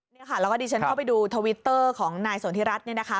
แล้วกดิฉันเข้าไปดูทวิตเตอร์ของนายสนทรัฐเนี่ยนะคะ